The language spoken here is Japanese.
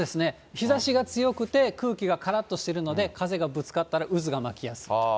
日ざしが強くて、空気がからっとしているので、風がぶつかったら、渦が巻きやすくなる。